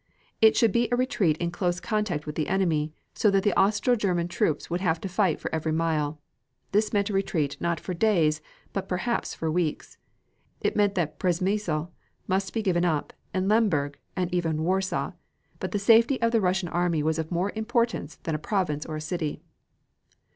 It should be a retreat in close contact with the enemy, so that the Austro German troops would have to fight for every mile. This meant a retreat not for days, but perhaps for weeks. It meant that Przemysl must be given up, and Lemberg, and even Warsaw, but the safety of the Russian army was of more importance than a province or a city.